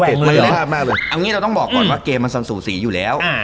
เอาอย่างนี้เราต้องบอกก่อนว่าเกมมัน๓ศูนย์๔อยู่แล้ว